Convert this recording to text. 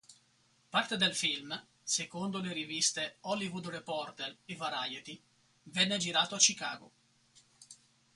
Parte del film, secondo le riviste "Hollywood Reporter" e "Variety", venne girato a Chicago.